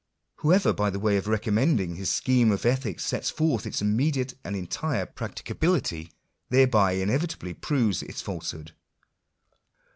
Whoever, by way of recommending his soheme of ethics, sets forth its immediate and entire practicability, thereby inevitably proves its false* hood.